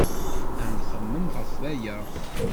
Ad nxemmem ɣef waya.